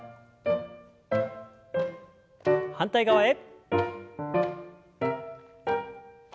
反対側へ。